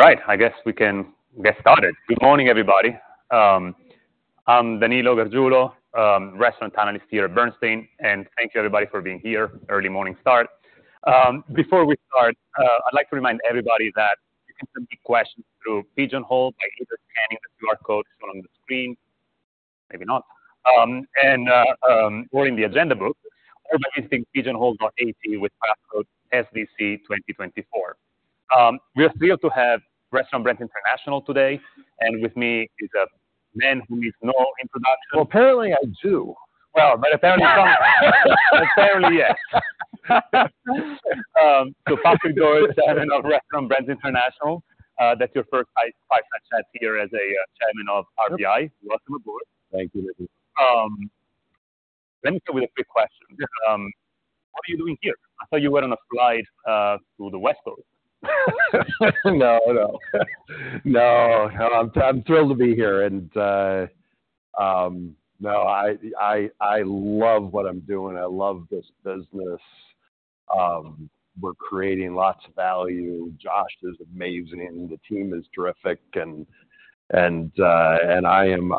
All right, I guess we can get started. Good morning, everybody. I'm Danilo Gargiulo, Restaurant Analyst here at Bernstein, and thank you, everybody, for being here, early morning start. Before we start, I'd like to remind everybody that you can send me questions through Pigeonhole by either scanning the QR code on the screen, maybe not, and, or in the agenda book, or by using pigeonhole.at with passcode SBC2024. We are thrilled to have Restaurant Brands International today, and with me is a man who needs no introduction. Well, apparently I do. Well, but apparently not. Apparently, yes. So Patrick Doyle, the Chairman of Restaurant Brands International. That's your first fireside chat here as a chairman of RBI. Welcome aboard. Thank you, Danilo. Let me start with a quick question. Yeah. What are you doing here? I thought you were on a flight to the West Coast. No, no. No, I'm thrilled to be here, and no, I love what I'm doing. I love this business. We're creating lots of value. Josh is amazing, and the team is terrific, and I am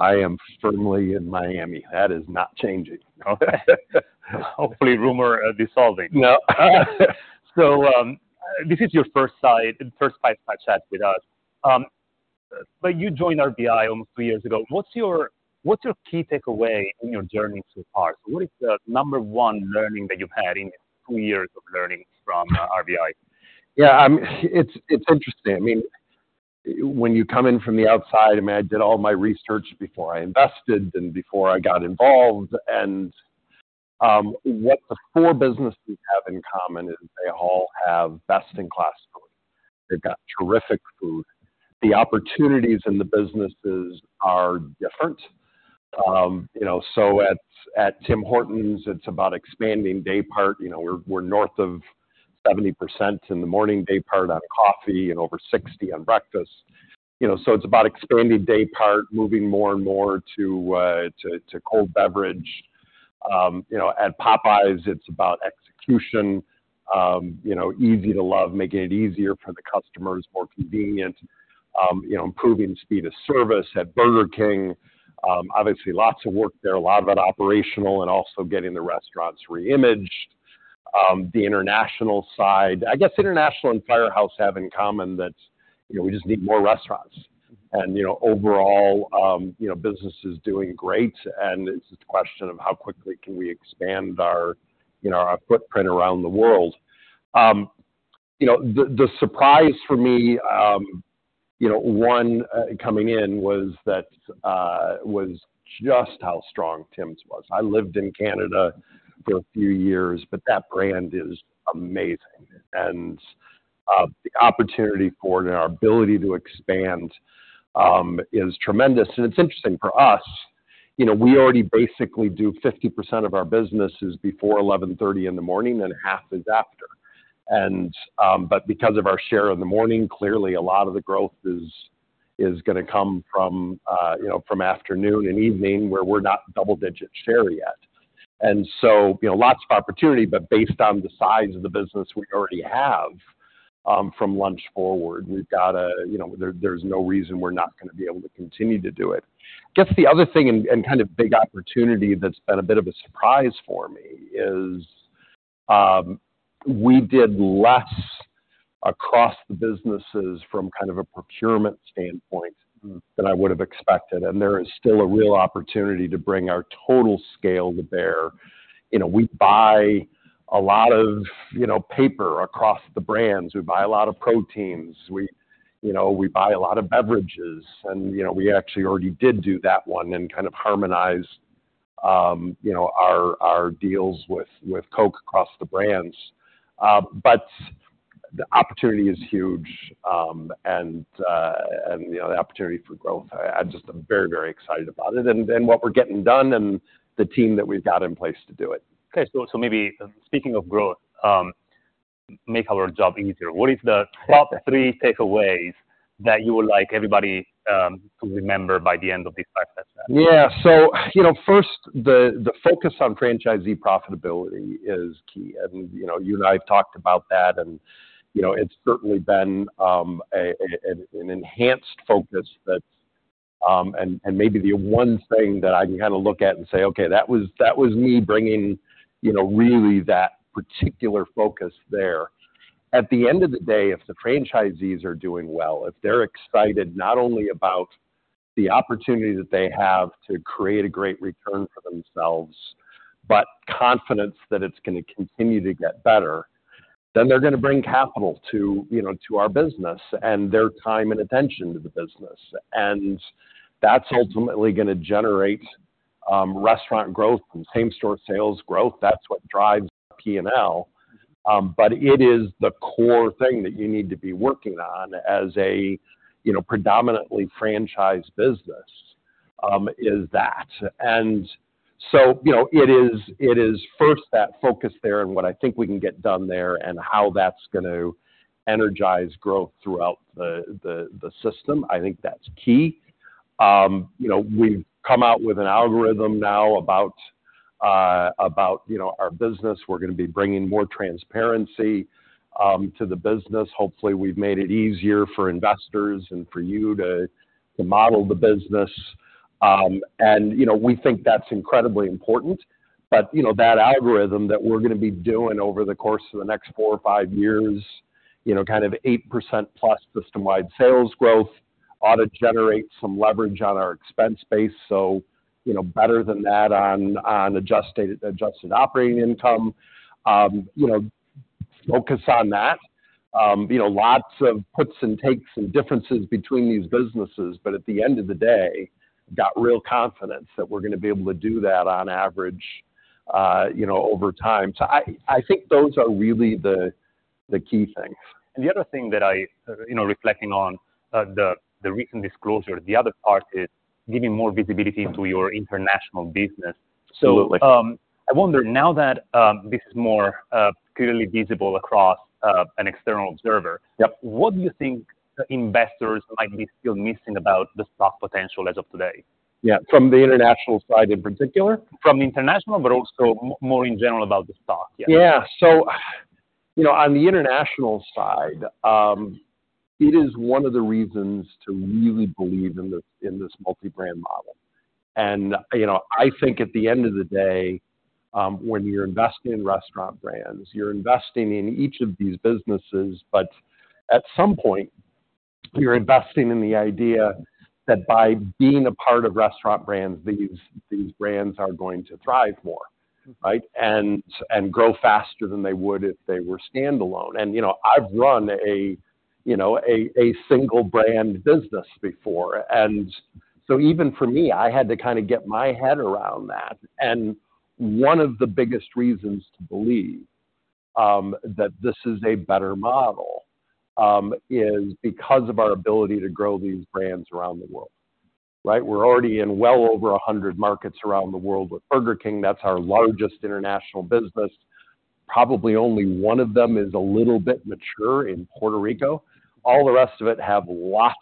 firmly in Miami. That is not changing. Okay. Hopefully, rumor dissolving. No. So, this is your first fireside chat with us. But you joined RBI almost three years ago. What's your key takeaway in your journey so far? So what is the number one learning that you've had in two years of learning from RBI? Yeah, it's interesting. I mean, when you come in from the outside, I mean, I did all my research before I invested and before I got involved. What the four businesses have in common is they all have best-in-class food. They've got terrific food. The opportunities in the businesses are different. You know, so at Tim Hortons, it's about expanding daypart. You know, we're north of 70% in the morning daypart on coffee and over 60% on breakfast. You know, so it's about expanding daypart, moving more and more to cold beverage. You know, at Popeyes, it's about execution, you know, Easy to Love, making it easier for the customers, more convenient, you know, improving speed of service. At Burger King, obviously, lots of work there, a lot of that operational and also getting the restaurants reimaged. The international side—I guess international and Firehouse have in common that, you know, we just need more restaurants. And, you know, overall, business is doing great, and it's just a question of how quickly can we expand our, you know, our footprint around the world. You know, the surprise for me, you know, one coming in, was that, was just how strong Tims was. I lived in Canada for a few years, but that brand is amazing, and, the opportunity for it and our ability to expand, is tremendous. And it's interesting, for us, you know, we already basically do 50% of our businesses before 11:30 A.M., and half is after. And, but because of our share in the morning, clearly, a lot of the growth is gonna come from, you know, from afternoon and evening, where we're not double-digit share yet. And so, you know, lots of opportunity, but based on the size of the business we already have, from lunch forward, we've got to... You know, there's no reason we're not gonna be able to continue to do it. I guess the other thing and kind of big opportunity that's been a bit of a surprise for me is, we did less across the businesses from kind of a procurement standpoint than I would have expected, and there is still a real opportunity to bring our total scale to bear. You know, we buy a lot of, you know, paper across the brands. We buy a lot of proteins. We, you know, we buy a lot of beverages, and, you know, we actually already did do that one and kind of harmonize, you know, our, our deals with, with Coke across the brands. But the opportunity is huge, and, you know, the opportunity for growth, I just am very, very excited about it, and, and what we're getting done and the team that we've got in place to do it. Okay, so, so maybe speaking of growth, make our job easier, what is the top three takeaways that you would like everybody to remember by the end of this fireside chat? Yeah. So, you know, first, the focus on franchisee profitability is key. And, you know, you and I have talked about that, and, you know, it's certainly been an enhanced focus that's maybe the one thing that I can kind of look at and say, "Okay, that was, that was me bringing, you know, really that particular focus there." At the end of the day, if the franchisees are doing well, if they're excited, not only about the opportunity that they have to create a great return for themselves, but confidence that it's gonna continue to get better, then they're gonna bring capital to, you know, to our business, and their time and attention to the business. And that's ultimately gonna generate restaurant growth and same-store sales growth. That's what drives P&L. But it is the core thing that you need to be working on as a, you know, predominantly franchised business, is that. And so, you know, it is, it is first that focus there and what I think we can get done there and how that's going to energize growth throughout the system. I think that's key. You know, we've come out with an algorithm now about, you know, our business. We're gonna be bringing more transparency to the business. Hopefully, we've made it easier for investors and for you to model the business. And, you know, we think that's incredibly important. But, you know, that algorithm that we're gonna be doing over the course of the next four or five years, you know, kind of 8%+ system-wide sales growth, ought to generate some leverage on our expense base. So, you know, better than that on adjusted, Adjusted Operating Income. You know, focus on that. You know, lots of puts and takes and differences between these businesses, but at the end of the day, got real confidence that we're gonna be able to do that on average, you know, over time. So I think those are really the key things. The other thing that I, you know, reflecting on the recent disclosure, the other part is giving more visibility to your international business. Absolutely. I wonder now that this is more clearly visible across an external observer- Yep. What do you think investors might be still missing about the stock potential as of today? Yeah, from the international side, in particular? From the international, but also more in general about the stock, yeah. Yeah. So, you know, on the international side, it is one of the reasons to really believe in this, in this multi-brand model. And, you know, I think at the end of the day, when you're investing in Restaurant Brands, you're investing in each of these businesses. But at some point, you're investing in the idea that by being a part of Restaurant Brands, these, these brands are going to thrive more, right? And, and grow faster than they would if they were standalone. And, you know, I've run a, you know, a single brand business before, and so even for me, I had to kinda get my head around that. And one of the biggest reasons to believe that this is a better model is because of our ability to grow these brands around the world, right? We're already in well over 100 markets around the world with Burger King. That's our largest international business. Probably only one of them is a little bit mature in Puerto Rico. All the rest of it have lots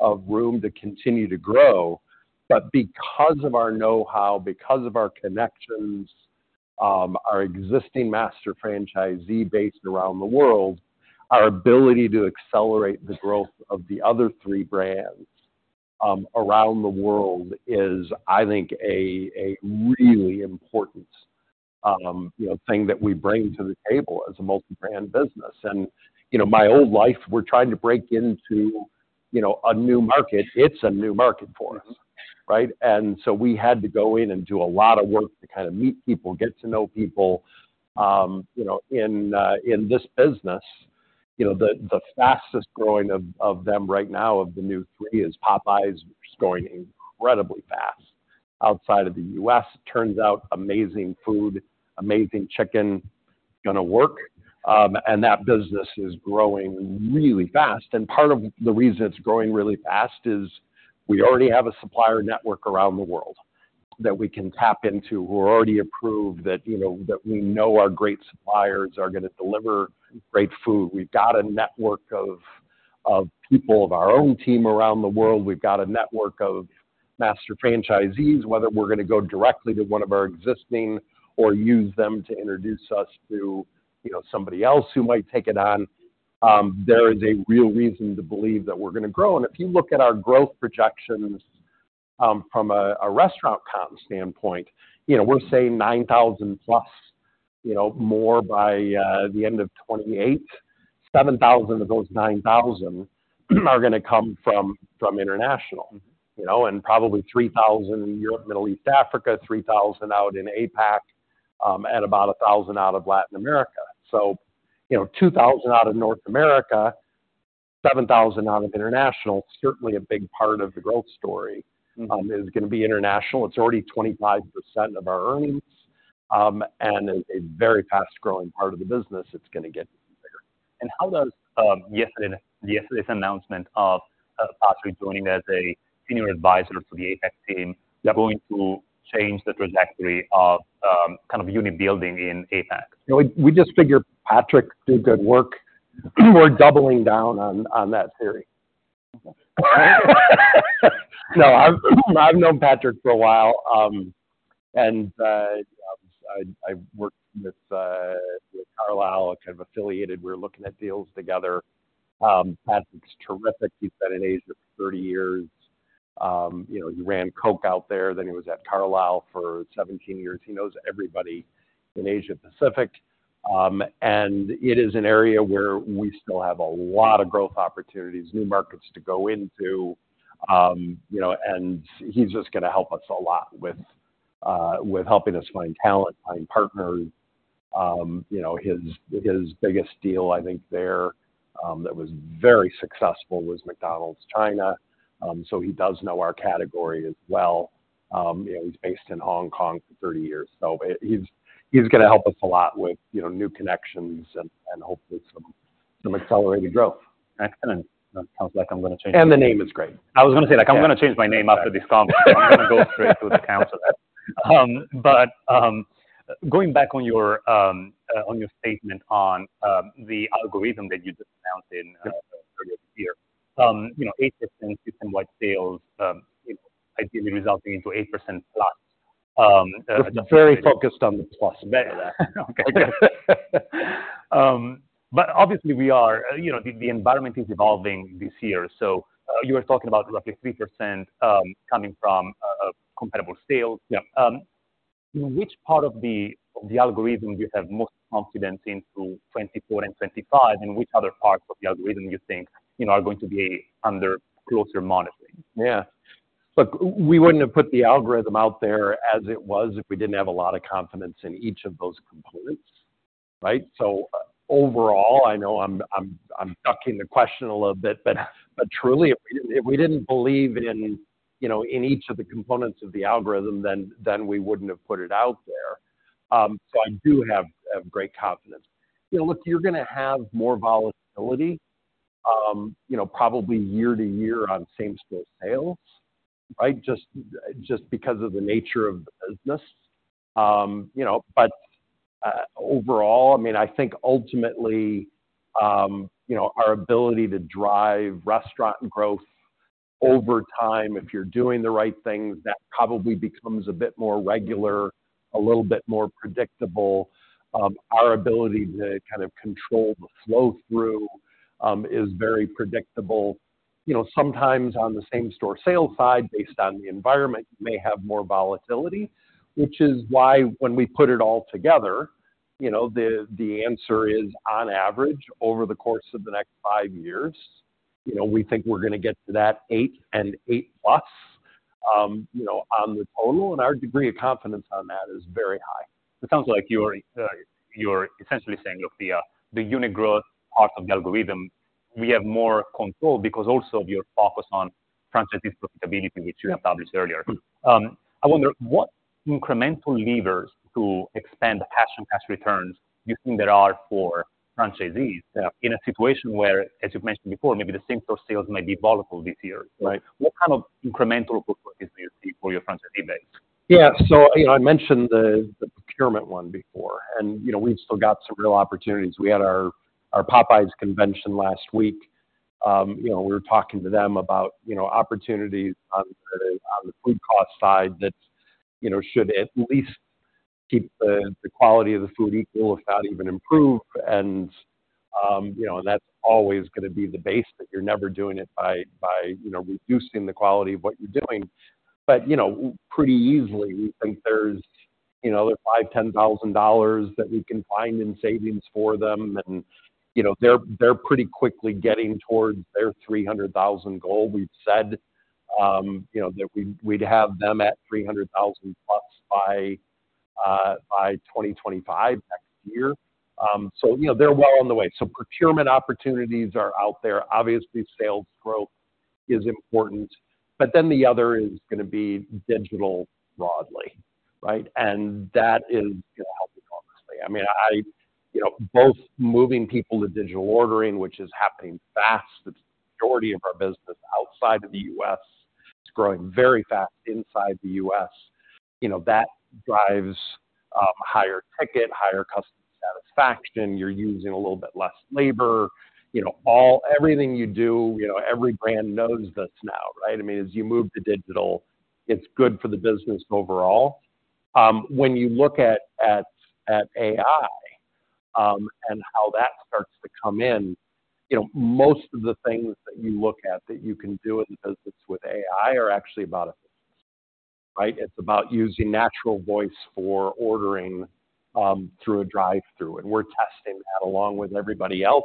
of room to continue to grow. But because of our know-how, because of our connections, our existing master franchisee base around the world, our ability to accelerate the growth of the other three brands, around the world is, I think, a really important, you know, thing that we bring to the table as a multi-brand business. And, you know, my old life, we're trying to break into, you know, a new market. It's a new market for us, right? And so we had to go in and do a lot of work to kind of meet people, get to know people. You know, in, in this business, you know, the fastest growing of them right now of the new three is Popeyes, which is growing incredibly fast outside of the U.S. Turns out amazing food, amazing chicken, gonna work. And that business is growing really fast, and part of the reason it's growing really fast is we already have a supplier network around the world that we can tap into, who are already approved, that, you know, that we know our great suppliers are gonna deliver great food. We've got a network of people of our own team around the world. We've got a network of master franchisees, whether we're gonna go directly to one of our existing or use them to introduce us to, you know, somebody else who might take it on. There is a real reason to believe that we're gonna grow. If you look at our growth projections, from a restaurant count standpoint, you know, we're saying 9,000+, you know, more by the end of 2028. 7,000 of those 9,000 are gonna come from international, you know, and probably 3,000 in Europe, Middle East, Africa, 3,000 out in APAC, and about 1,000 out of Latin America. You know, 2,000 out of North America, 7,000 out of international. Certainly, a big part of the growth story is gonna be international. It's already 25% of our earnings, and a very fast-growing part of the business. It's gonna get bigger. How does yesterday's announcement of Patrick joining as a senior advisor to the APAC team, they're going to change the trajectory of kind of unit building in APAC? You know, we just figured Patrick did good work. We're doubling down on that theory. No, I've known Patrick for a while, and I've worked with Carlyle, kind of affiliated. We're looking at deals together. Patrick's terrific. He's been in Asia for 30 years. You know, he ran Coke out there, then he was at Carlyle for 17 years. He knows everybody in Asia Pacific. And it is an area where we still have a lot of growth opportunities, new markets to go into. You know, and he's just gonna help us a lot with helping us find talent, find partners. You know, his biggest deal, I think, there, that was very successful, was McDonald's China. So he does know our category as well. You know, he's based in Hong Kong for 30 years, so he's gonna help us a lot with, you know, new connections and hopefully some accelerated growth. Excellent. That sounds like I'm gonna change- The name is great. I was gonna say, like, I'm gonna change my name after this conversation. I'm gonna go straight to the council. But going back on your on your statement on the algorithm that you just announced in here, you know, 8% system-wide sales, ideally resulting into 8%+. Very focused on the plus side of that. Okay, good. But obviously we are, you know, the environment is evolving this year. So, you were talking about roughly 3%, coming from comparable sales. Yeah. Which part of the algorithm do you have most confidence into 2024 and 2025, and which other parts of the algorithm you think, you know, are going to be under closer monitoring? Yeah. Look, we wouldn't have put the algorithm out there as it was if we didn't have a lot of confidence in each of those components, right? So overall, I know I'm ducking the question a little bit, but truly, if we didn't believe in, you know, in each of the components of the algorithm, then we wouldn't have put it out there. So I do have great confidence. You know, look, you're gonna have more volatility, you know, probably year to year on same-store sales, right? Just because of the nature of the business. You know, but overall, I mean, I think ultimately, you know, our ability to drive restaurant growth over time, if you're doing the right things, that probably becomes a bit more regular, a little bit more predictable. Our ability to kind of control the flow through is very predictable. You know, sometimes on the same-store sales side, based on the environment, you may have more volatility, which is why when we put it all together, you know, the answer is on average, over the course of the next five years, you know, we think we're gonna get to that 8 and 8+, you know, on the total, and our degree of confidence on that is very high. It sounds like you're, you're essentially saying, look, the, the unit growth part of the algorithm, we have more control because also you're focused on franchisee profitability, which you established earlier. I wonder, what incremental levers to expand cash-on-cash returns you think there are for franchisees- Yeah... in a situation where, as you've mentioned before, maybe the same-store sales may be volatile this year, right? Yeah. What kind of incremental throughput is there for your franchisee base? Yeah. So, you know, I mentioned the procurement one before, and, you know, we've still got some real opportunities. We had our Popeyes convention last week. You know, we were talking to them about, you know, opportunities on the food cost side that, you know, should at least keep the quality of the food equal, if not even improve. And, you know, and that's always gonna be the base, that you're never doing it by, you know, reducing the quality of what you're doing. But, you know, pretty easily, we think there's $5,000-$10,000 that we can find in savings for them. And, you know, they're pretty quickly getting towards their $300,000 goal. We've said, you know, that we'd have them at 300,000+ by 2025, next year. So, you know, they're well on the way. So procurement opportunities are out there. Obviously, sales growth is important, but then the other is gonna be digital broadly, right? And that is gonna help enormously. I mean, I... You know, both moving people to digital ordering, which is happening fast. It's the majority of our business outside of the U.S., it's growing very fast inside the U.S. You know, that drives higher ticket, higher customer satisfaction. You're using a little bit less labor, you know, all everything you do, you know, every brand knows this now, right? I mean, as you move to digital, it's good for the business overall. When you look at AI and how that starts to come in, you know, most of the things that you look at that you can do in the business with AI are actually about efficiency, right? It's about using natural voice for ordering through a drive-thru, and we're testing that along with everybody else.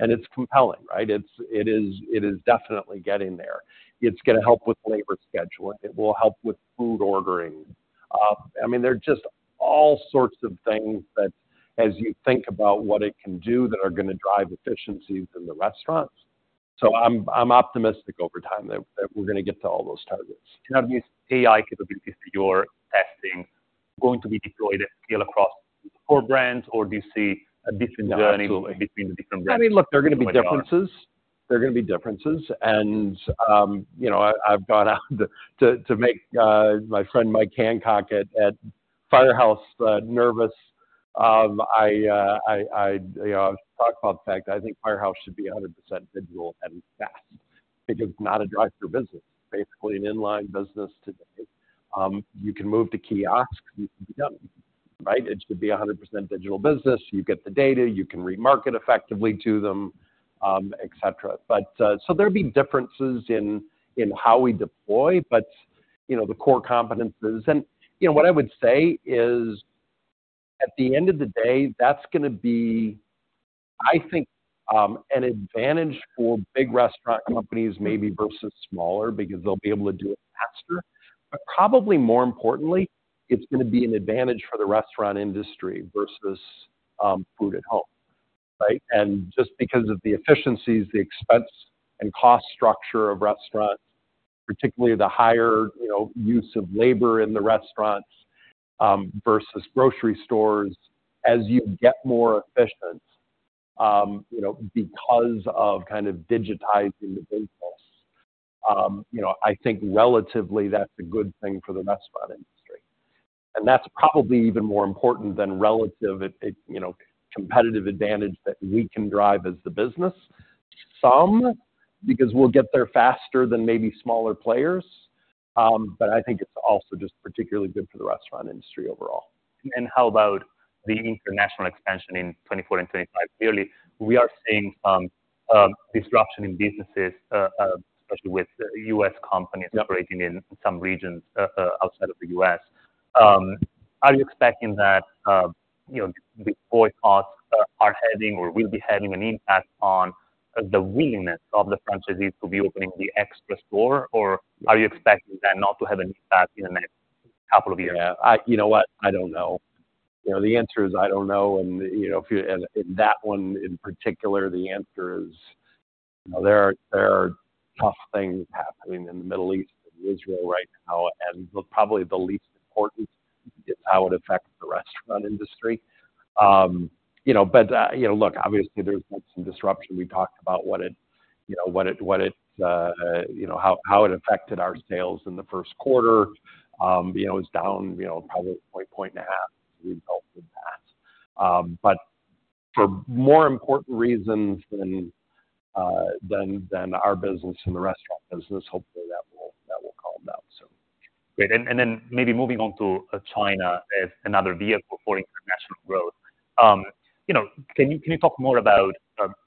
And it's compelling, right? It is definitely getting there. It's gonna help with labor scheduling. It will help with food ordering. I mean, there are just all sorts of things that as you think about what it can do, that are gonna drive efficiencies in the restaurants. So I'm optimistic over time that we're gonna get to all those targets. Are these AI capabilities that you're testing going to be deployed at scale across core brands, or do you see a different journey between the different brands? I mean, look, there are gonna be differences. There are gonna be differences. And, you know, I, I've gone out to, to make, my friend Mike Hancock at, at Firehouse, nervous. I, I, you know, I've talked about the fact I think Firehouse should be 100% digital and fast. It is not a drive-thru business. Basically, an inline business today. You can move to kiosks. You can be done, right? It should be a 100% digital business. You get the data, you can remarket effectively to them, et cetera. But, so there'll be differences in, in how we deploy, but, you know, the core competencies... You know, what I would say is, at the end of the day, that's gonna be, I think, an advantage for big restaurant companies maybe versus smaller, because they'll be able to do it faster. But probably more importantly, it's gonna be an advantage for the restaurant industry versus food at home, right? And just because of the efficiencies, the expense and cost structure of restaurants, particularly the higher, you know, use of labor in the restaurants versus grocery stores, as you get more efficient, you know, because of kind of digitizing the business, you know, I think relatively that's a good thing for the restaurant industry. And that's probably even more important than relative, you know, competitive advantage that we can drive as the business. Some, because we'll get there faster than maybe smaller players, but I think it's also just particularly good for the restaurant industry overall. How about the international expansion in 2024 and 2025? Clearly, we are seeing disruption in businesses, especially with U.S. companies- Yeah operating in some regions outside of the U.S. Are you expecting that, you know, the labor costs are heading or will be having an impact on the willingness of the franchisees to be opening the extra store? Or are you expecting that not to have an impact in the next couple of years? Yeah, you know what? I don't know. You know, the answer is I don't know, and, you know, that one, in particular, the answer is, you know, there are tough things happening in the Middle East and Israel right now, and probably the least important is how it affects the restaurant industry. You know, but, you know, look, obviously, there's been some disruption. We talked about how it affected our sales in the first quarter. You know, it's down, you know, probably 1.5 as a result of that. But for more important reasons than our business in the restaurant business, hopefully that will calm down soon. Great. And then maybe moving on to China as another vehicle for international growth. You know, can you talk more about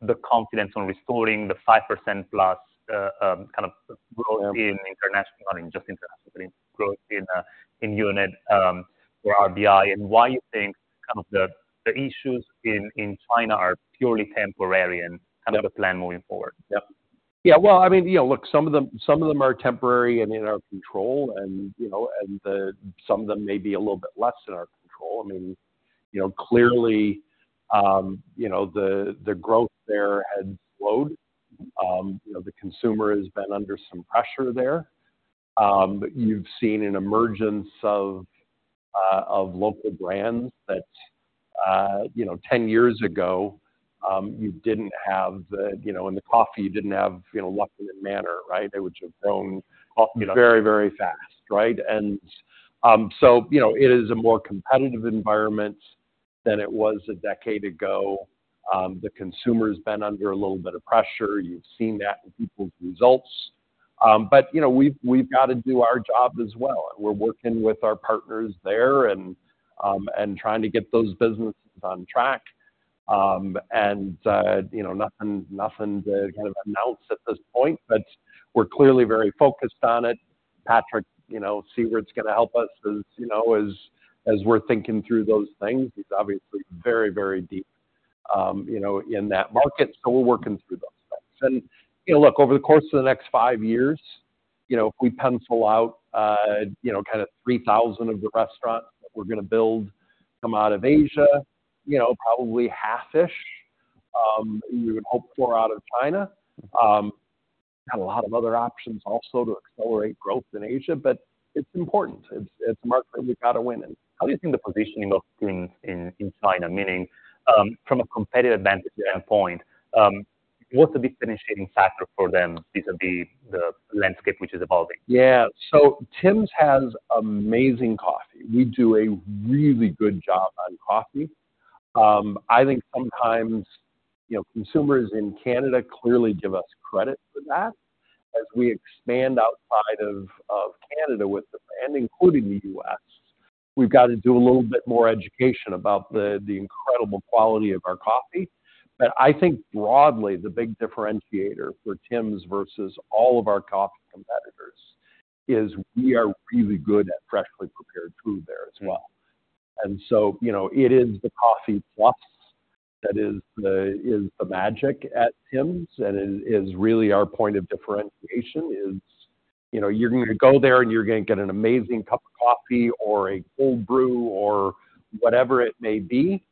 the confidence on restoring the 5%+ kind of growth? Yeah in international, I mean, not just internationally, growth in unit or RBI, and why you think kind of the issues in China are purely temporary and- Yeah - kind of the plan moving forward? Yeah. Yeah, well, I mean, you know, look, some of them, some of them are temporary and in our control, and, you know, and the some of them may be a little bit less in our control. I mean, you know, clearly, you know, the, the growth there has slowed. You know, the consumer has been under some pressure there. You've seen an emergence of, of local brands that, you know, 10 years ago, you didn't have the... You know, in the coffee, you didn't have, you know, Luckin and Manner, right? They would have grown, you know, very, very fast, right? And, so, you know, it is a more competitive environment than it was a decade ago. The consumer's been under a little bit of pressure. You've seen that in people's results. But, you know, we've, we've got to do our job as well. We're working with our partners there and and trying to get those businesses on track. And, you know, nothing, nothing to kind of announce at this point, but we're clearly very focused on it. Patrick, you know, Siewert's gonna help us as, you know, as, as we're thinking through those things. He's obviously very, very deep, you know, in that market, so we're working through those things. And, you know, look, over the course of the next five years, you know, if we pencil out, you know, kind of 3,000 of the restaurants that we're gonna build come out of Asia, you know, probably half-ish, you would hope for out of China. Got a lot of other options also to accelerate growth in Asia, but it's important. It's a market we've got to win in. How do you think the positioning of things in, in China, meaning, from a competitive advantage standpoint, what's the big differentiating factor for them vis-à-vis the landscape which is evolving? Yeah. So Tims has amazing coffee. We do a really good job on coffee. I think sometimes, you know, consumers in Canada clearly give us credit for that. As we expand outside of Canada with the... and including the U.S., we've got to do a little bit more education about the incredible quality of our coffee. But I think broadly, the big differentiator for Tims versus all of our coffee competitors is we are really good at freshly prepared food there as well. So, you know, it is the coffee plus that is the magic at Tims, and is really our point of differentiation. You know, you're gonna go there, and you're gonna get an amazing cup of coffee or a cold brew or whatever it may be,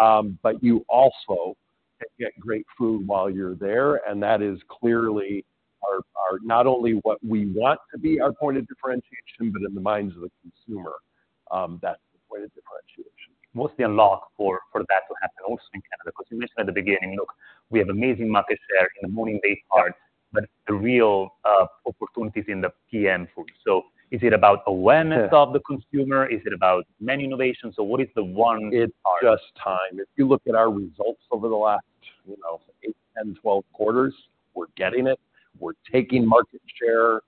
but you also can get great food while you're there, and that is clearly our not only what we want to be our point of differentiation, but in the minds of the consumer, that's the point of differentiation. What's the unlock for, for that to happen also in Canada? Because you mentioned at the beginning, look, we have amazing market share in the morning dayparts- Yeah but the real, opportunity is in the PM food. So is it about awareness- Yeah - of the consumer? Is it about many innovations, or what is the one- It's just time. If you look at our results over the last, you know, 8, 10, 12 quarters, we're getting it. We're taking market share.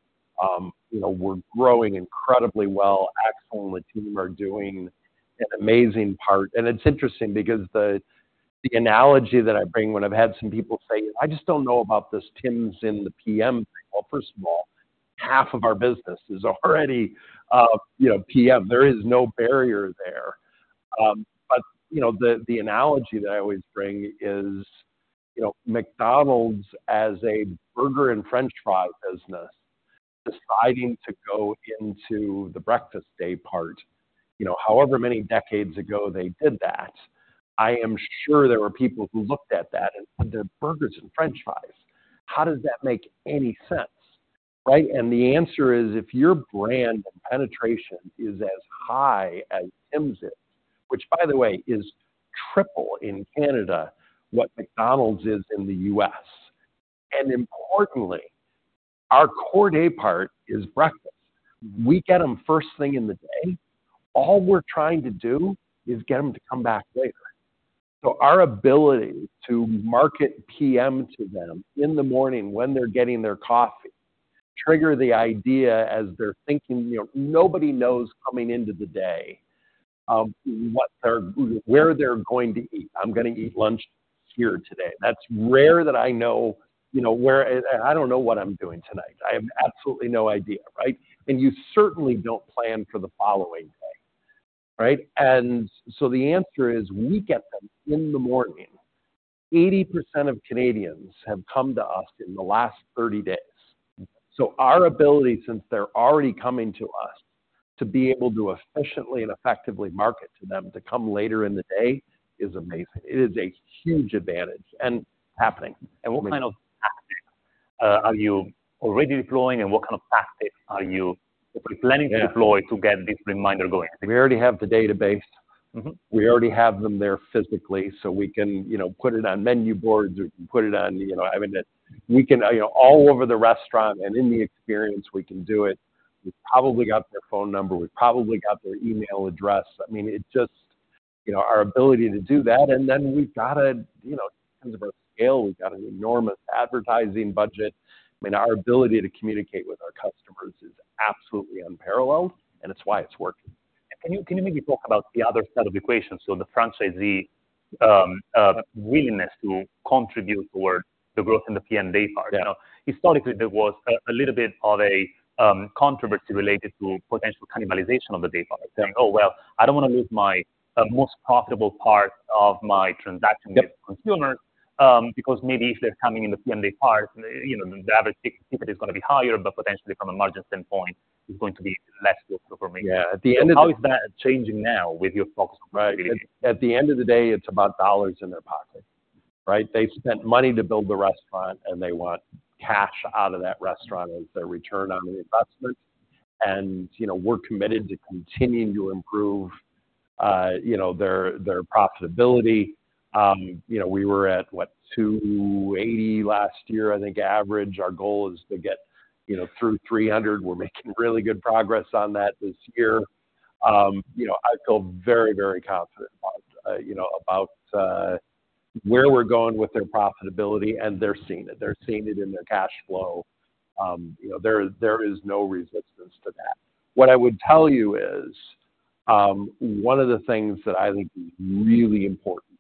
You know, we're growing incredibly well. Axel and the team are doing an amazing part. And it's interesting because the analogy that I bring when I've had some people say: I just don't know about this Tims in the PM thing. Well, first of all, half of our business is already, you know, PM. There is no barrier there. But, you know, the analogy that I always bring is, you know, McDonald's as a burger and French fry business, deciding to go into the breakfast daypart, you know, however many decades ago they did that, I am sure there were people who looked at that and said: They're burgers and French fries. How does that make any sense, right? And the answer is, if your brand and penetration is as high as Tims is, which, by the way, is triple in Canada what McDonald's is in the U.S. Importantly, our core daypart is breakfast. We get them first thing in the day. All we're trying to do is get them to come back later. So our ability to market PM to them in the morning when they're getting their coffee, trigger the idea as they're thinking, you know, nobody knows coming into the day what they're where they're going to eat. I'm gonna eat lunch here today. That's rare that I know, you know, where I don't know what I'm doing tonight. I have absolutely no idea, right? And you certainly don't plan for the following day, right? So the answer is, we get them in the morning. 80% of Canadians have come to us in the last 30 days. So our ability, since they're already coming to us, to be able to efficiently and effectively market to them to come later in the day, is amazing. It is a huge advantage and happening. What kind of tactics are you already deploying, and what kind of tactics are you planning- Yeah to deploy to get this reminder going? We already have the database. Mm-hmm. We already have them there physically, so we can, you know, put it on menu boards. We can put it on, you know, I mean, we can, you know, all over the restaurant and in the experience, we can do it. We've probably got their phone number. We've probably got their email address. I mean, it just, you know, our ability to do that, and then we've got a, you know, in terms of our scale, we've got an enormous advertising budget. I mean, our ability to communicate with our customers is absolutely unparalleled, and it's why it's working. Can you maybe talk about the other side of the equation? So the franchisee willingness to contribute towards the growth in the PM daypart. Yeah. You know, historically, there was a little bit of a controversy related to potential cannibalization of the daypart. Yeah. Saying, "Oh, well, I don't want to lose my, most profitable part of my transaction- Yep -with consumers, because maybe if they're coming in the PM daypart, you know, the average ticket is gonna be higher, but potentially from a margin standpoint, it's going to be less profitable for me. Yeah. At the end of the- How is that changing now with your folks? Right. At the end of the day, it's about dollars in their pocket, right? They spent money to build the restaurant, and they want cash out of that restaurant as their return on the investment. And, you know, we're committed to continuing to improve, you know, their profitability. You know, we were at, what, $280 last year, I think, average. Our goal is to get, you know, through $300. We're making really good progress on that this year. You know, I feel very, very confident about, you know, about where we're going with their profitability, and they're seeing it. They're seeing it in their cash flow. You know, there is no resistance to that. What I would tell you is, one of the things that I think is really important,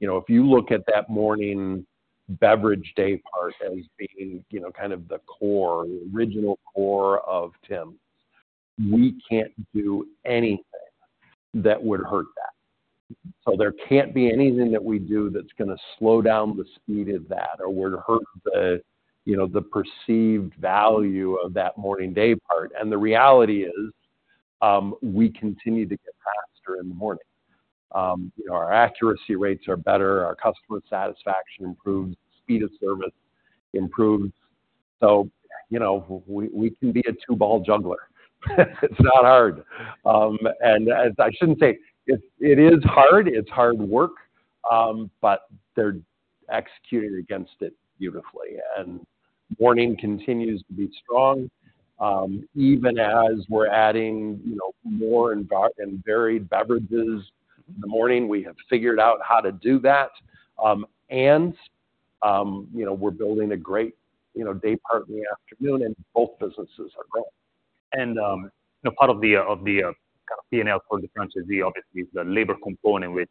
you know, if you look at that morning beverage daypart as being, you know, kind of the core, the original core of Tims, we can't do anything that would hurt that. So there can't be anything that we do that's gonna slow down the speed of that or would hurt the, you know, the perceived value of that morning daypart. And the reality is, we continue to get faster in the morning. You know, our accuracy rates are better, our customer satisfaction improves, speed of service improves. So, you know, we can be a two-ball juggler. It's not hard, and I shouldn't say it is hard. It's hard work, but they're executing against it beautifully. Morning continues to be strong, even as we're adding, you know, more and varied beverages. In the morning, we have figured out how to do that, and you know, we're building a great, you know, daypart in the afternoon, and both businesses are growing. You know, part of the kind of P&L for the franchisee obviously is the labor component, which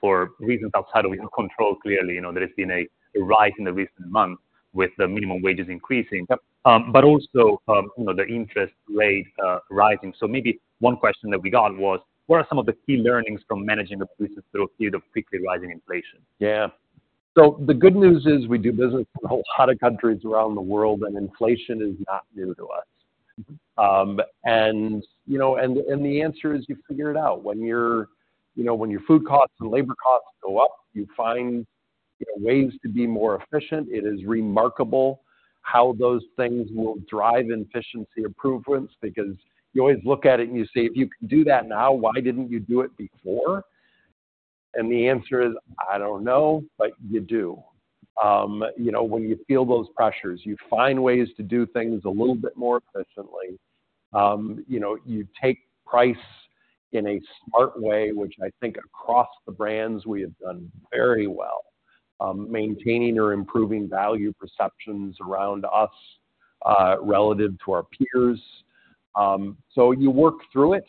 for reasons outside of our control, clearly, you know, there has been a rise in the recent months with the minimum wages increasing. Yep. But also, you know, the interest rates rising. So maybe one question that we got was: What are some of the key learnings from managing the business through a period of quickly rising inflation? Yeah. So the good news is we do business in a whole lot of countries around the world, and inflation is not new to us. And you know, the answer is, you figure it out. When you know, when your food costs and labor costs go up, you find, you know, ways to be more efficient. It is remarkable how those things will drive efficiency improvements because you always look at it and you say, "If you can do that now, why didn't you do it before?" And the answer is: I don't know, but you do. You know, when you feel those pressures, you find ways to do things a little bit more efficiently. You know, you take price in a smart way, which I think across the brands, we have done very well, maintaining or improving value perceptions around us, relative to our peers. So you work through it.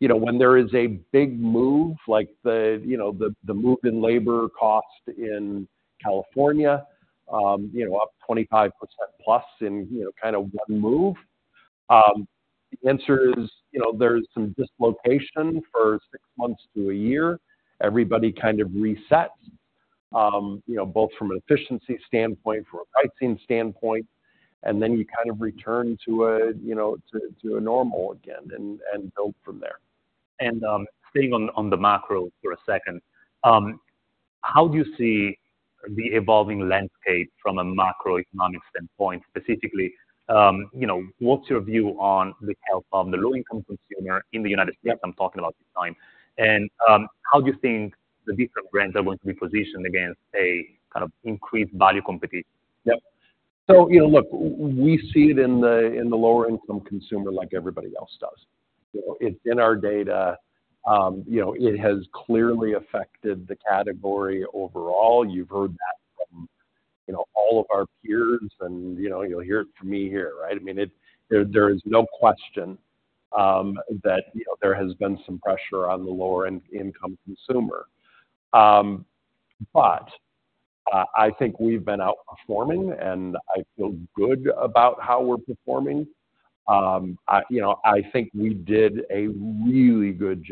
You know, when there is a big move, like the, you know, the move in labor cost in California, you know, up 25%+ in, you know, kind of one move. The answer is, you know, there's some dislocation for six months to a year. Everybody kind of resets, you know, both from an efficiency standpoint, from a pricing standpoint, and then you kind of return to a, you know, to a normal again and build from there. Staying on the macro for a second, how do you see the evolving landscape from a macroeconomic standpoint, specifically, you know, what's your view on the health of the low-income consumer in the United States? I'm talking about this time. How do you think the different brands are going to be positioned against a kind of increased value competition? Yep. So, you know, look, we see it in the lower-income consumer like everybody else does. You know, it's in our data. You know, it has clearly affected the category overall. You've heard that from, you know, all of our peers, and, you know, you'll hear it from me here, right? I mean, there is no question that, you know, there has been some pressure on the lower-income consumer. But I think we've been outperforming, and I feel good about how we're performing. I, you know, I think we did a really good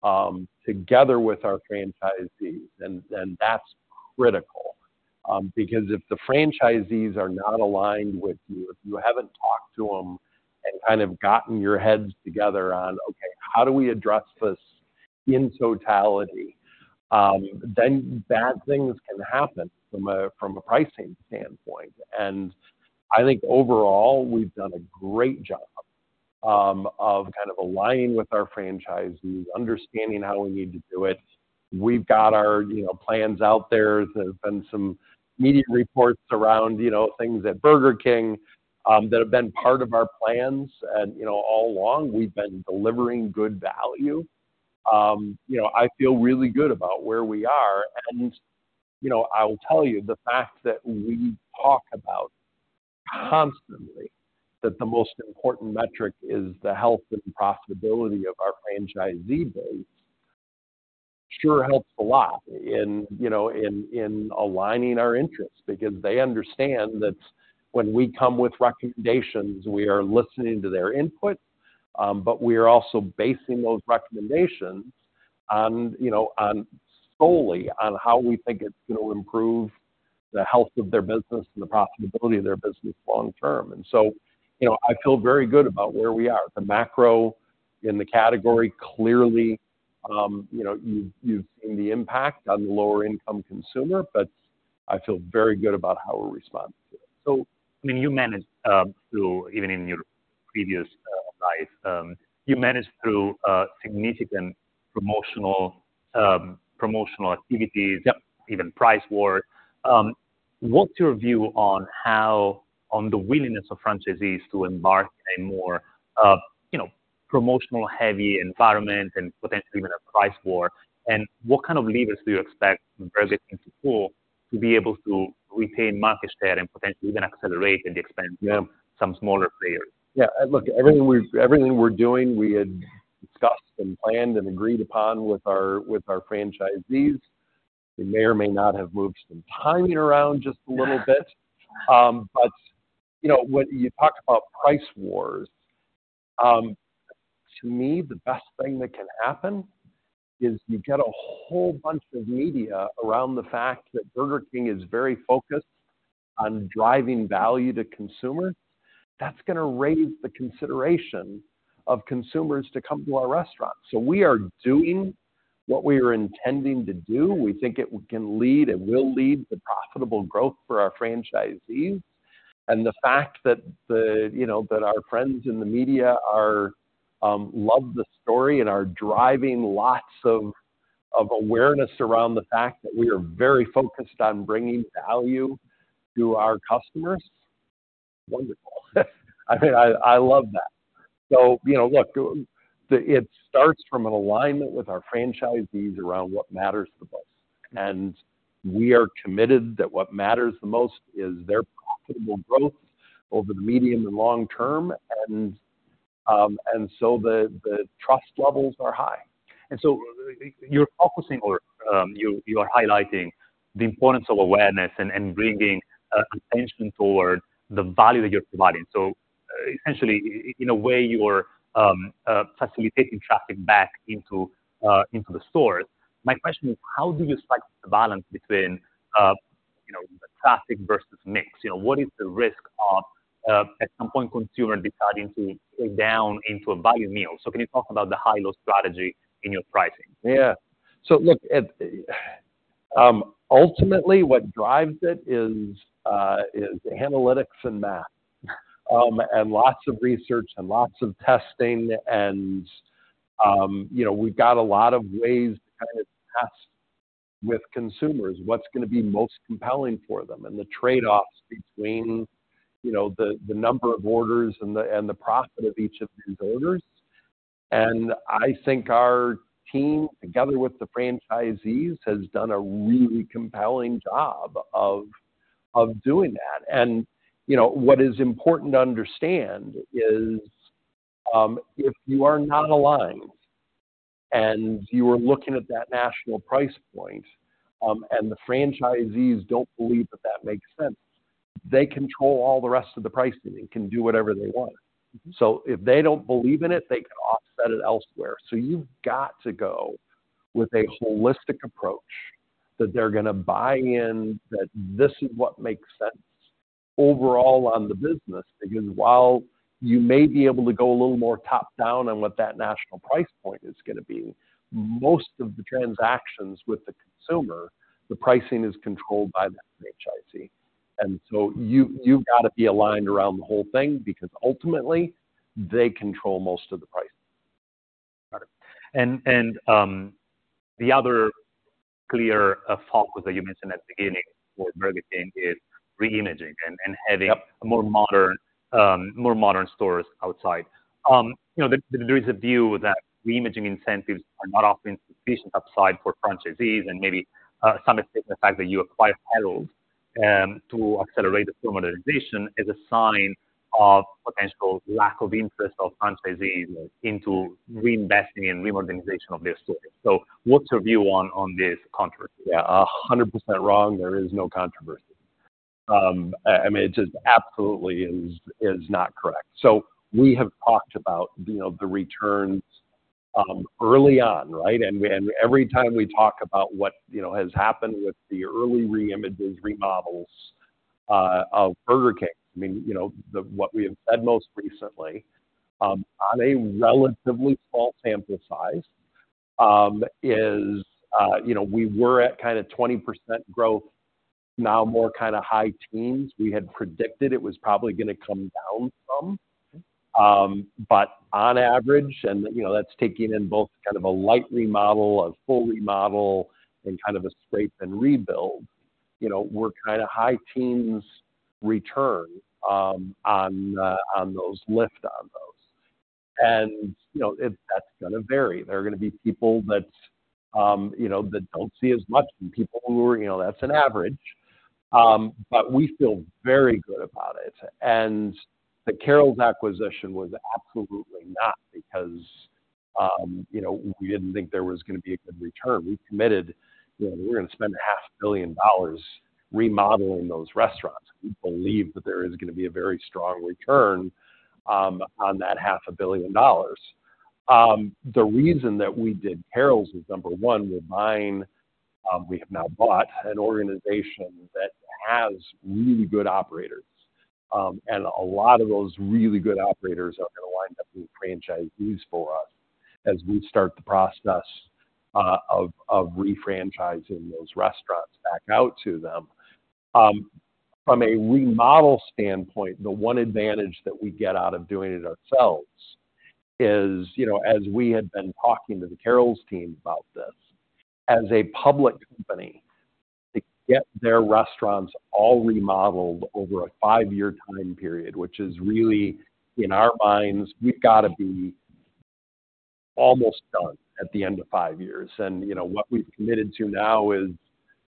job together with our franchisees, and that's critical. Because if the franchisees are not aligned with you, if you haven't talked to them and kind of gotten your heads together on, okay, how do we address this in totality? Then bad things can happen from a pricing standpoint. And I think overall, we've done a great job of kind of aligning with our franchisees, understanding how we need to do it. We've got our, you know, plans out there. There's been some media reports around, you know, things at Burger King that have been part of our plans and, you know, all along we've been delivering good value. You know, I feel really good about where we are, and, you know, I will tell you, the fact that we talk about constantly, that the most important metric is the health and profitability of our franchisee base, sure helps a lot in, you know, aligning our interests. Because they understand that when we come with recommendations, we are listening to their input, but we are also basing those recommendations on, you know, on solely on how we think it's going to improve the health of their business and the profitability of their business long term. So, you know, I feel very good about where we are. The macro in the category, clearly, you know, you've seen the impact on the lower-income consumer, but I feel very good about how we're responding to it. So, I mean, you managed through, even in your previous life, you managed through significant promotional activities- Yep. even price war. What's your view on how... on the willingness of franchisees to embark on a more, you know, promotional heavy environment and potentially even a price war? And what kind of levers do you expect Burger King to pull to be able to retain market share and potentially even accelerate at the expense- Yeah. - some smaller players? Yeah, look, everything we're doing, we had discussed and planned and agreed upon with our franchisees. We may or may not have moved some timing around just a little bit. But, you know, when you talk about price wars, to me, the best thing that can happen is you get a whole bunch of media around the fact that Burger King is very focused on driving value to consumers. That's going to raise the consideration of consumers to come to our restaurants. So we are doing what we are intending to do. We think it can lead, it will lead to profitable growth for our franchisees. And the fact that the... You know that our friends in the media are loving the story and are driving lots of awareness around the fact that we are very focused on bringing value to our customers. Wonderful. I mean, I love that. So, you know, look, it starts from an alignment with our franchisees around what matters the most, and we are committed that what matters the most is their profitable growth over the medium and long term. So the trust levels are high. And so you're focusing or you are highlighting the importance of awareness and bringing attention toward the value that you're providing. So essentially, in a way, you are facilitating traffic back into the stores. My question is, how do you strike the balance between, you know, the traffic versus mix? You know, what is the risk of, at some point, consumer deciding to go down into a value meal? So can you talk about the high-low strategy in your pricing? Yeah. So look, ultimately, what drives it is analytics and math, and lots of research and lots of testing and, you know, we've got a lot of ways to kind of test with consumers, what's going to be most compelling for them, and the trade-offs between, you know, the number of orders and the profit of each of these orders. And I think our team, together with the franchisees, has done a really compelling job of doing that. And, you know, what is important to understand is, if you are not aligned and you are looking at that national price point, and the franchisees don't believe that that makes sense, they control all the rest of the pricing and can do whatever they want. So if they don't believe in it, they can offset it elsewhere. So you've got to go with a holistic approach that they're going to buy in, that this is what makes sense overall on the business, because while you may be able to go a little more top-down on what that national price point is gonna be, most of the transactions with the consumer, the pricing is controlled by the franchisee. And so you, you've got to be aligned around the whole thing because ultimately, they control most of the pricing. Got it. And the other clear focus that you mentioned at the beginning for Burger King is reimaging and having- Yep a more modern stores outside. You know, there is a view that reimaging incentives are not often sufficient upside for franchisees, and maybe some have stated the fact that you acquired Carrols to accelerate the modernization is a sign of potential lack of interest of franchisees into reinvesting in modernization of their stores. So what's your view on this controversy? Yeah, 100% wrong. There is no controversy. I mean, it just absolutely is not correct. So we have talked about, you know, the returns early on, right? And when every time we talk about what, you know, has happened with the early reimages, remodels of Burger King. I mean, you know, the what we have said most recently on a relatively small sample size is, you know, we were at kind of 20% growth, now more kind of high teens. We had predicted it was probably gonna come down some. But on average, and, you know, that's taking in both kind of a light remodel, a full remodel, and kind of a scrape and rebuild, you know, we're kinda high teens return on those lift on those. And, you know, it that's gonna vary. There are gonna be people that, you know, that don't see as much, and people who are, you know, that's an average. But we feel very good about it. The Carrols acquisition was absolutely not because, you know, we didn't think there was gonna be a good return. We committed, you know, we were gonna spend $500 million remodeling those restaurants. We believe that there is gonna be a very strong return, on that $500 million. The reason that we did Carrols is, number one, we're buying, we have now bought an organization that has really good operators. And a lot of those really good operators are gonna wind up being franchisees for us as we start the process, of refranchising those restaurants back out to them. From a remodel standpoint, the one advantage that we get out of doing it ourselves is, you know, as we had been talking to the Carrols team about this, as a public company, to get their restaurants all remodeled over a five-year time period, which is really in our minds, we've got to be almost done at the end of five years. And, you know, what we've committed to now is,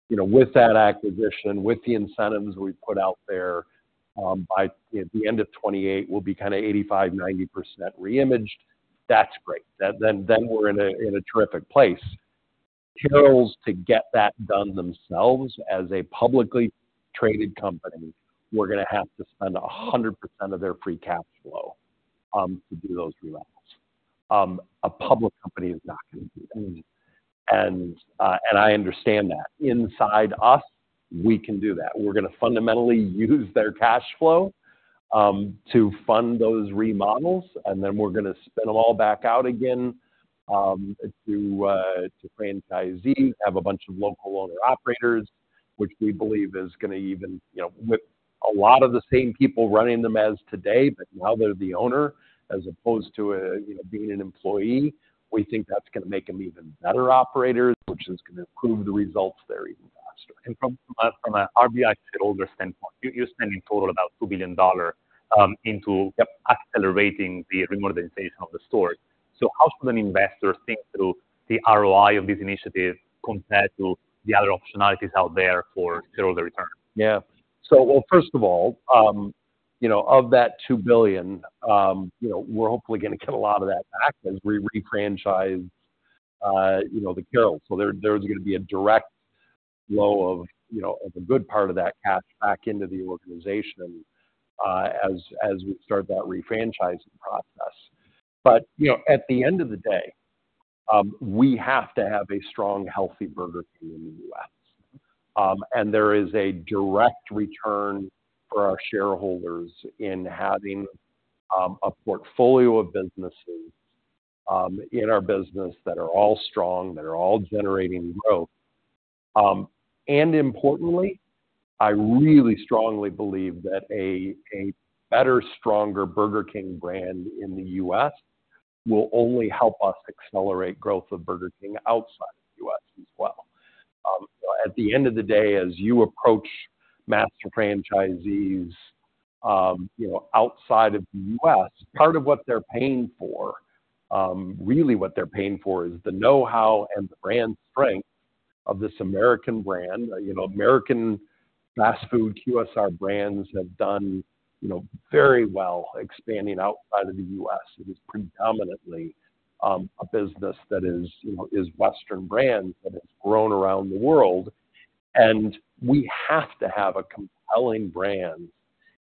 you know, with that acquisition, with the incentives we put out there, by the end of 2028, we'll be kind of 85%-90% reimaged. That's great. Then, then we're in a, in a terrific place. Carrols, to get that done themselves as a publicly traded company, we're gonna have to spend 100% of their free cash flow, to do those remodels. A public company is not gonna do that. Mm-hmm. And, and I understand that. Inside us, we can do that. We're gonna fundamentally use their cash flow, to fund those remodels, and then we're gonna spend them all back out again, to, to franchisees, have a bunch of local owner-operators, which we believe is gonna even... You know, with a lot of the same people running them as today, but now they're the owner, as opposed to, you know, being an employee. We think that's gonna make them even better operators, which is gonna improve the results there even faster. From a RBI shareholder standpoint, you're spending total about $2 billion into accelerating the modernization of the stores. So how should an investor think through the ROI of this initiative compared to the other optionalities out there for similar return? Yeah. So, well, first of all, you know, of that $2 billion, you know, we're hopefully gonna get a lot of that back as we refranchise, you know, the Carrols. So there, there's gonna be a direct flow of, you know, of a good part of that cash back into the organization, as, as we start that refranchising process. But, you know, at the end of the day, we have to have a strong, healthy Burger King in the U.S. And there is a direct return for our shareholders in having, a portfolio of businesses, in our business that are all strong, that are all generating growth. And importantly, I really strongly believe that a, a better, stronger Burger King brand in the U.S. will only help us accelerate growth of Burger King outside the U.S. as well. At the end of the day, as you approach master franchisees, you know, outside of the U.S., part of what they're paying for, really what they're paying for is the know-how and the brand strength of this American brand. You know, American fast food QSR brands have done, you know, very well, expanding outside of the U.S. It is predominantly, a business that is, you know, is Western brands, but it's grown around the world, and we have to have a compelling brand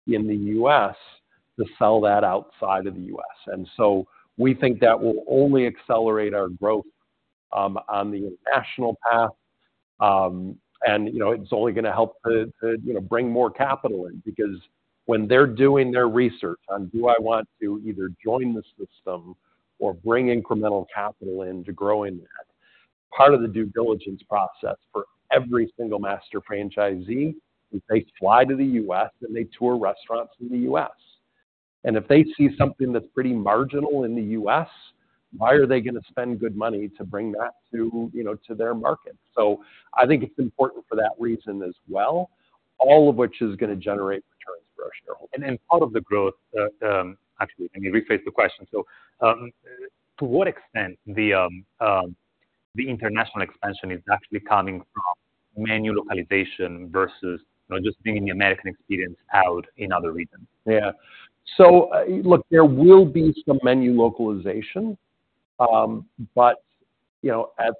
in the U.S. to sell that outside of the U.S. And so we think that will only accelerate our growth on the international path. And you know, it's only gonna help to you know bring more capital in because when they're doing their research on, do I want to either join the system or bring incremental capital in to growing that? Part of the due diligence process for every single master franchisee is they fly to the U.S., and they tour restaurants in the U.S. And if they see something that's pretty marginal in the U.S., why are they gonna spend good money to bring that to, you know, to their market? So I think it's important for that reason as well, all of which is gonna generate returns for our shareholders. Actually, let me rephrase the question. To what extent the international expansion is actually coming from menu localization versus, you know, just bringing the American experience out in other regions? Yeah. So, look, there will be some menu localization, but, you know, at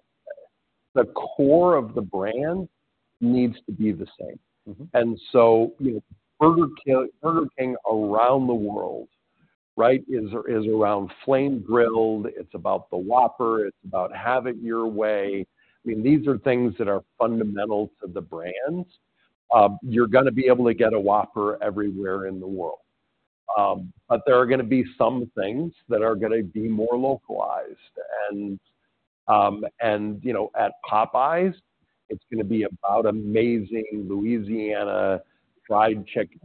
the core of the brand needs to be the same. Mm-hmm. And so, you know, Burger King, Burger King around the world, right, is around flame-grilled, it's about the Whopper, it's about Have It Your Way. I mean, these are things that are fundamental to the brands. You're gonna be able to get a Whopper everywhere in the world. But there are gonna be some things that are gonna be more localized. And, you know, at Popeyes, it's gonna be about amazing Louisiana fried chicken.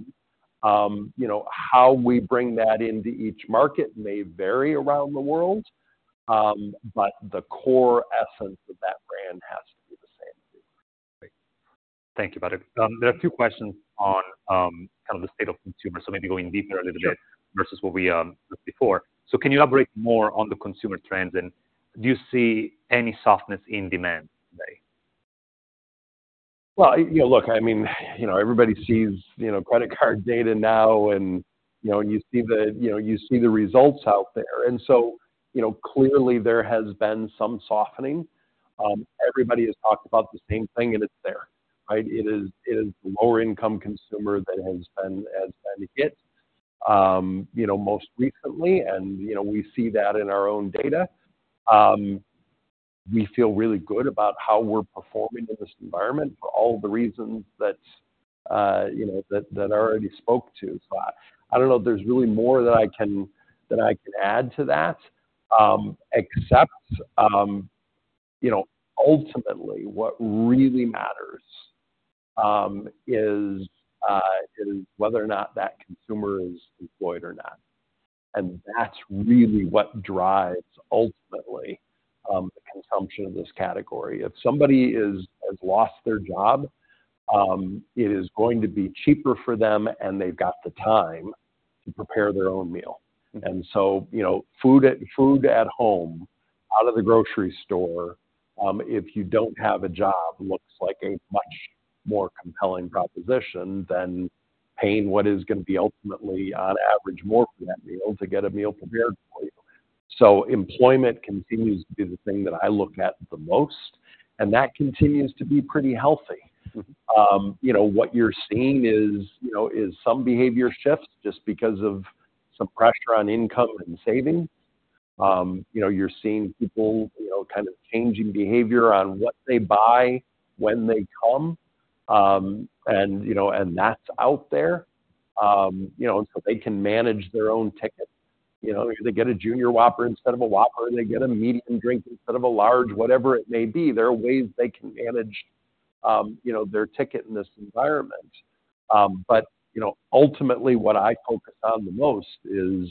You know, how we bring that into each market may vary around the world, but the core essence of that brand has to be the same. Great. Thank you about it. There are two questions on, kind of the state of consumer. So maybe going deeper a little bit- Sure. versus what we before. So can you elaborate more on the consumer trends, and do you see any softness in demand today? Well, you know, look, I mean, you know, everybody sees, you know, credit card data now, and, you know, and you see the, you know, you see the results out there. And so, you know, clearly there has been some softening. Everybody has talked about the same thing, and it's there, right? It is the lower income consumer that has been hit, you know, most recently, and, you know, we see that in our own data. We feel really good about how we're performing in this environment for all the reasons that you know that I already spoke to. So I don't know if there's really more that I can add to that, except, you know, ultimately what really matters is whether or not that consumer is employed or not. And that's really what drives ultimately the consumption of this category. If somebody has lost their job, it is going to be cheaper for them, and they've got the time to prepare their own meal. And so, you know, food at home, out of the grocery store, if you don't have a job, looks like a much more compelling proposition than paying what is gonna be ultimately, on average, more for that meal to get a meal prepared for you. So employment continues to be the thing that I look at the most, and that continues to be pretty healthy. Mm-hmm. You know, what you're seeing is some behavior shifts just because of some pressure on income and savings. You know, you're seeing people, you know, kind of changing behavior on what they buy when they come. And, you know, and that's out there. You know, and so they can manage their own ticket. You know, they get a Junior Whopper instead of a Whopper, and they get a medium drink instead of a large, whatever it may be. There are ways they can manage, you know, their ticket in this environment. But you know, ultimately, what I focus on the most is,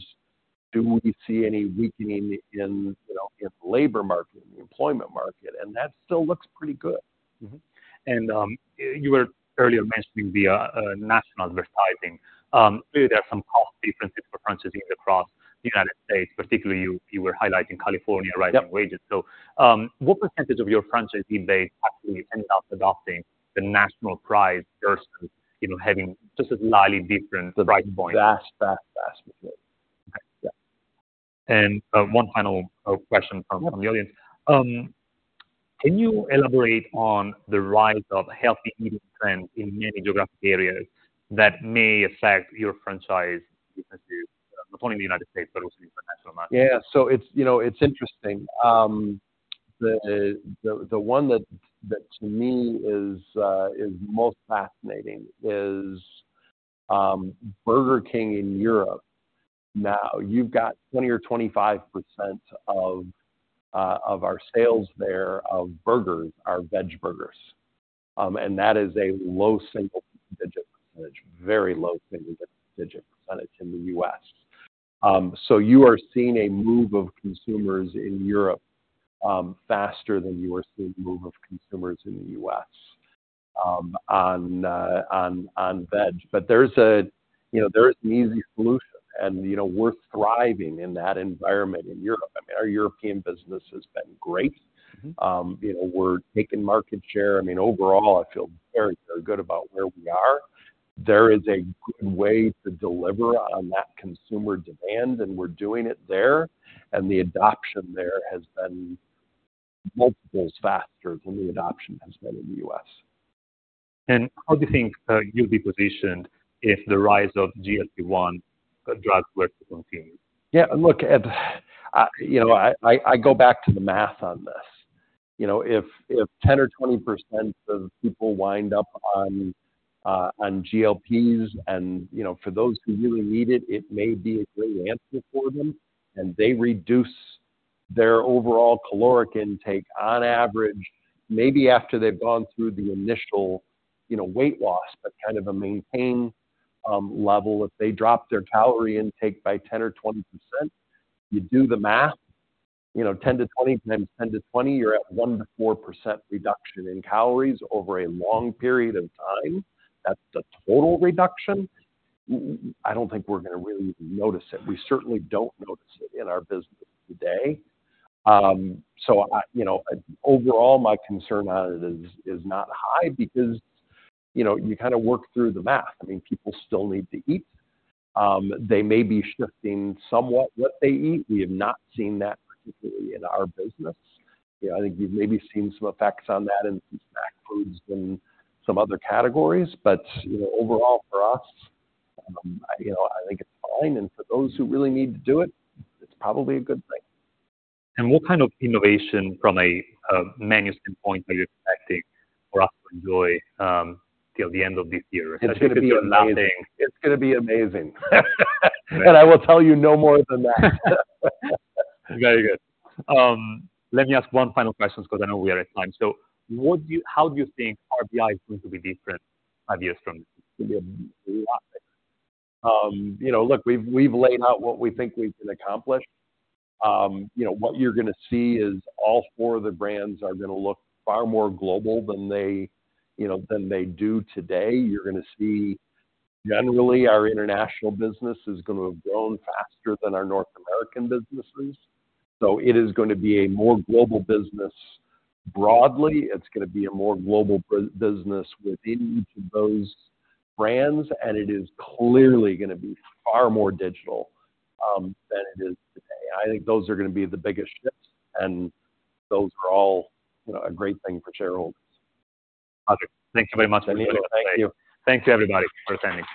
do we see any weakening in, you know, in the labor market, in the employment market? And that still looks pretty good. Mm-hmm. And, you were earlier mentioning the national advertising. Clearly there are some cost differences for franchisees across the United States. Particularly, you, you were highlighting California, rising wages. Yep. What percentage of your franchisee base actually ended up adopting the national price versus, you know, having just a slightly different price point? Vast, vast, vast majority. Yeah. And one final question from the audience. Can you elaborate on the rise of healthy eating trends in many geographic areas that may affect your franchise businesses, not only in the United States, but also in the international market? Yeah. So it's, you know, it's interesting. The one that to me is most fascinating is Burger King in Europe. Now, you've got 20 or 25% of our sales there, of burgers are veg burgers, and that is a low single-digit percentage, very low single-digit percentage in the U.S. So you are seeing a move of consumers in Europe, faster than you are seeing a move of consumers in the U.S., on veg. But there's a... You know, there isn't an easy solution, and, you know, we're thriving in that environment in Europe. I mean, our European business has been great. Mm-hmm. You know, we're taking market share. I mean, overall, I feel very good about where we are. There is a good way to deliver on that consumer demand, and we're doing it there, and the adoption there has been multiples faster than the adoption has been in the U.S.... How do you think you'll be positioned if the rise of GLP-1 drugs were to continue? Yeah, look, Ed, you know, I, I, I go back to the math on this. You know, if, if 10% or 20% of people wind up on, on GLPs and, you know, for those who really need it, it may be a great answer for them, and they reduce their overall caloric intake on average, maybe after they've gone through the initial, you know, weight loss, but kind of a maintain, level. If they drop their calorie intake by 10% or 20%, you do the math, you know, 10-20 times 10-20, you're at 1%-4% reduction in calories over a long period of time. That's the total reduction. I don't think we're gonna really notice it. We certainly don't notice it in our business today. So I... You know, overall, my concern on it is not high because, you know, you kinda work through the math. I mean, people still need to eat. They may be shifting somewhat what they eat. We have not seen that particularly in our business. You know, I think we've maybe seen some effects on that in some snack foods and some other categories, but, you know, overall for us, you know, I think it's fine, and for those who really need to do it, it's probably a good thing. What kind of innovation from a menu standpoint are you expecting for us to enjoy till the end of this year? It's gonna be amazing. Nothing. It's gonna be amazing. I will tell you no more than that. Very good. Let me ask one final question, because I know we are at time. So how do you think RBI is going to be different five years from now? You know, look, we've laid out what we think we can accomplish. You know, what you're gonna see is all four of the brands are gonna look far more global than they, you know, than they do today. You're gonna see generally, our international business is gonna have grown faster than our North American businesses. So it is gonna be a more global business broadly. It's gonna be a more global business within each of those brands, and it is clearly gonna be far more digital than it is today. I think those are gonna be the biggest shifts, and those are all, you know, a great thing for shareholders. Okay. Thanks very much. Thank you. Thanks, everybody, for attending.